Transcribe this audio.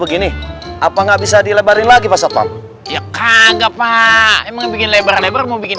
gini apa nggak bisa dilebarin lagi pasapam ya kagak pak emang bikin lebar lebar mau bikin